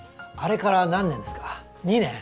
あれから何年ですか？